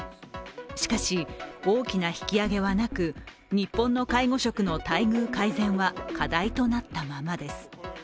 しかし、大きな引き上げはなく日本の介護職の待遇改善は課題となったままです。